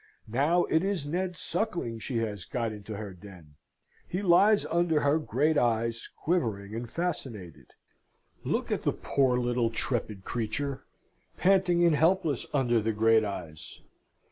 Now it is Ned Suckling she has got into her den. He lies under her great eyes, quivering and fascinated. Look at the poor little trepid creature, panting and helpless under the great eyes!